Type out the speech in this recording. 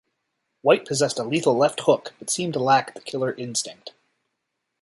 White possessed a lethal left hook, but seemed to lack the killer instinct.